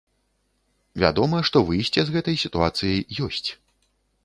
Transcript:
Вядома, што выйсце з гэтай сітуацыі ёсць.